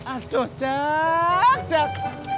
aduh cak cak